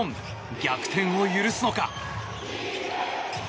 逆転を許すのか。